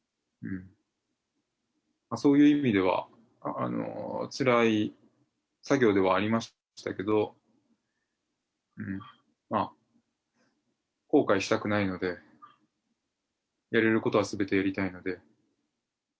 そういう意味では、つらい作業ではありましたけど、後悔したくないので、やれることはすべてやりたいので。